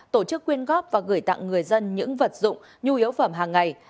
tổ chức quyên góp và gửi tặng người dân những vật dụng nhu yếu phẩm hàng ngày